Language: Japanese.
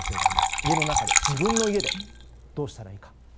家の中で、自分の家でどうしたらいいか。